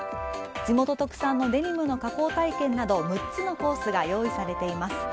地元特産のデニムの加工体験など６つのコースが用意されています。